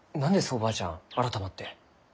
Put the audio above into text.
おばあちゃん改まって。